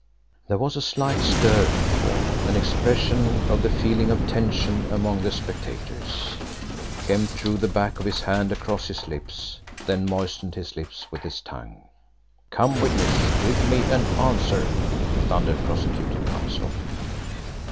There was a slight stir in court an expression of the feeling of tension among the spectators. Kemp drew the back of his hand across his lips, then moistened his lips with his tongue. "Come, witness, give me an answer," thundered prosecuting Counsel.